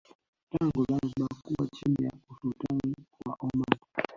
tangu Zanzibar kuwa chini ya Usultani wa Oman